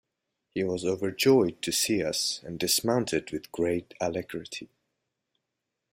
He was overjoyed to see us and dismounted with great alacrity.